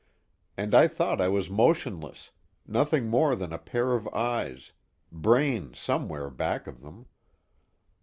And I thought I was motionless, nothing more than a pair of eyes, brain somewhere back of them.